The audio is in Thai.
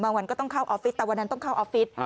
วันก็ต้องเข้าออฟฟิศแต่วันนั้นต้องเข้าออฟฟิศ